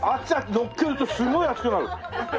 乗っけるとすごい熱くなる！